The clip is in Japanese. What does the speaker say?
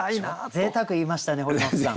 ぜいたく言いましたね堀本さん。